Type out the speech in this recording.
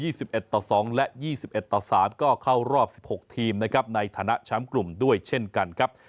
รวดครับ๒๑ต่อ๒และ๒๑ต่อ๓ก็เข้ารอบ๑๖ทีมนะครับในฐานะช้ำกลุ่มด้วยเช่นกันครับ